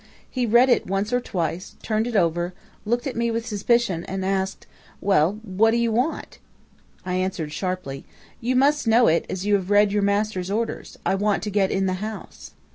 He read it once or twice, turned it over, looked at me with suspicion, and asked: "'Well, what do you want?' "I answered sharply: "'You must know it as you have read your master's orders. I want to get in the house.'